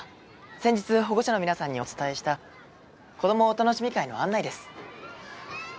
先日保護者の皆さんにお伝えした「こどもおたのしみ会」の案内です。